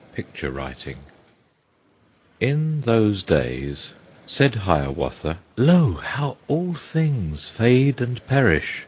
XIV Picture Writing In those days said Hiawatha, "Lo! how all things fade and perish!